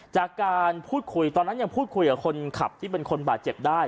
จากการพูดคุยตอนนั้นยังพูดคุยกับคนขับที่เป็นคนบาดเจ็บได้